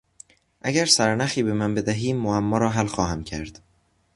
اگر سرنخی به من بدهی معما را حل خواهم کرد.